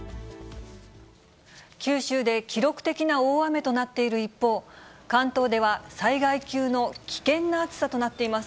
九州で記録的な大雨となっている一方、関東では災害級の危険な暑さとなっています。